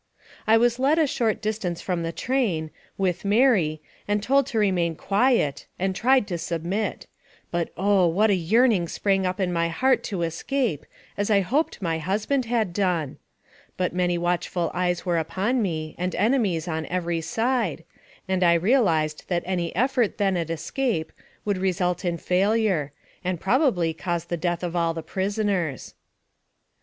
I was led a short distance from the wagon, with Mary, and told to remain quiet, and tried to submit ; but oh, what a yearning sprang up in my heart to escape, as I hoped my husband had done! But many watchful eyes were upon me, and enemies on every side, and I realized that any effort then at escape would result in failure, and probably cause the death of all the prisoners. Mrs.